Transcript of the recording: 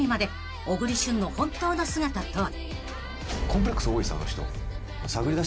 ［小栗旬の本当の姿とは］